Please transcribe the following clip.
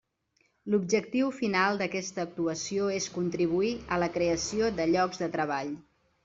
L'objectiu final d'aquesta actuació és contribuir a la creació de llocs de treball.